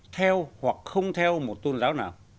theo hoặc không theo một tôn giáo nào